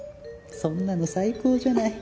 そんなの最高じゃない。